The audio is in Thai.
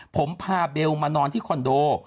ผมพาเบลมานอนที่คอนโด